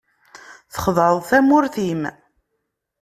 Txedɛeḍ tamurt-im.